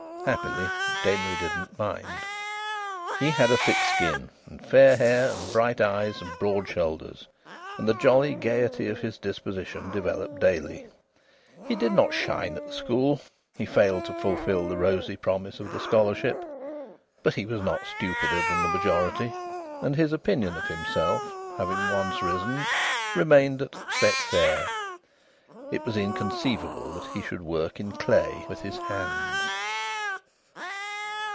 Happily Denry did not mind. He had a thick skin, and fair hair and bright eyes and broad shoulders, and the jolly gaiety of his disposition developed daily. He did not shine at the school; he failed to fulfil the rosy promise of the scholarship; but he was not stupider than the majority; and his opinion of himself, having once risen, remained at "set fair." It was inconceivable that he should work in clay with his hands.